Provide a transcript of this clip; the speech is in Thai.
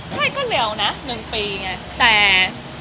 ใช่ก็เร็วนะ๑ปีไงแต่